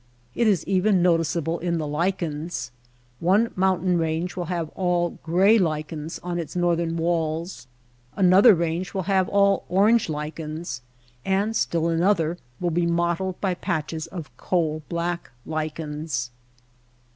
It is even noticeable in the lichens. One moun tain range will have all gray lichens on its northern walls, another range will have all CACTUS AND GREASEWOOD 149 orange lichens, and still another will be mottled by patches of coal black lichens.